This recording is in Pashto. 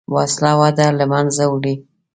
وسله وده له منځه وړي